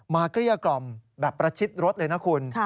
เกลี้ยกล่อมแบบประชิดรถเลยนะคุณ